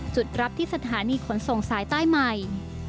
จุดรับที่สถานีขนส่งสายใต้ใหม่